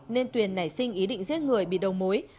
nên tuyền nảy sinh ý định giết người bị đầu mối